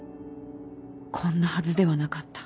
こんなはずではなかった